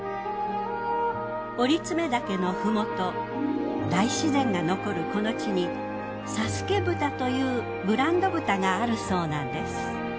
折爪岳のふもと大自然が残るこの地に佐助豚というブランド豚があるそうなんです。